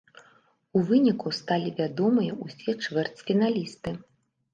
У выніку, сталі вядомыя ўсе чвэрцьфіналісты.